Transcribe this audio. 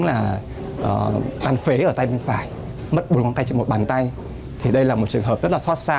đó là bàn phế ở tay bên phải mất một bàn tay thì đây là một trường hợp rất là xót xa